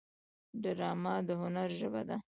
ډرامه د هنر ژبه ده